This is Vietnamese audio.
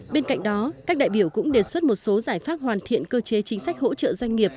bên cạnh đó các đại biểu cũng đề xuất một số giải pháp hoàn thiện cơ chế chính sách hỗ trợ doanh nghiệp